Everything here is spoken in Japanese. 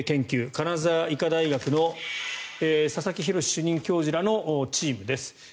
金沢医科大学の佐々木洋主任教授らのチームです。